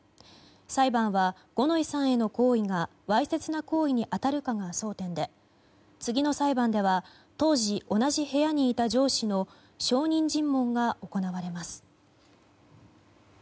裁判は五ノ井さんへの行為がわいせつな行為に当たるかが争点で次の裁判では当時、同じ部屋にいた上司の証人尋問が行われます。